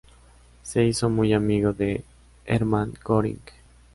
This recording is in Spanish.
Se hizo muy amigo de Hermann Göring.